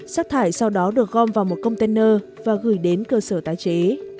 rác thải sau đó được gom vào một container và gửi đến cơ sở tái chế